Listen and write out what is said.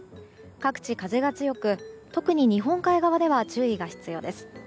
各地、風が強く特に日本海側では注意が必要です。